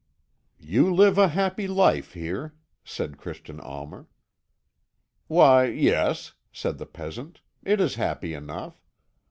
"You live a happy life here," said Christian Almer. "Why, yes," said the peasant; "it is happy enough.